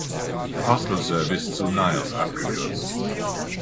Postal Service zu "Niles" abgekürzt.